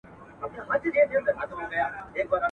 له مخلوقه لاره ورکه شهید پروت دی مور په ساندو.